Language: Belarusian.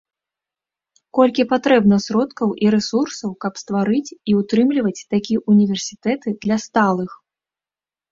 Колькі патрэбна сродкаў і рэсурсаў, каб стварыць і ўтрымліваць такія ўніверсітэты для сталых?